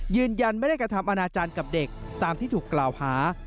ยืนยันไม่ได้กระทำอนาจารย์กับเด็กตามที่ถูกกล่าวหา